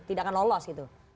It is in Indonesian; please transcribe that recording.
tidak akan lolos gitu